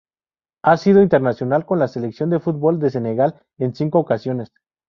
Ha sido internacional con la selección de fútbol de Senegal en cinco ocasiones.